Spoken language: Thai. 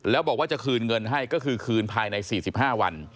แล้วบอกว่าจะคืนเงินให้ก็คือคืนภายใน๔๕วัน